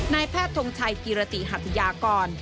นายแพทย์ทงชัยกิรติหัทยากร